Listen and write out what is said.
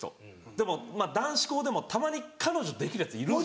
でもまぁ男子校でもたまに彼女できるヤツいるんですよ。